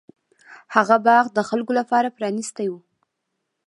هغه باغ د خلکو لپاره پرانیستی و.